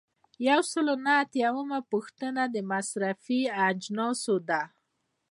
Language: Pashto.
یو سل او نهه اتیایمه پوښتنه د مصرفي اجناسو ده.